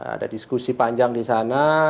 ada diskusi panjang di sana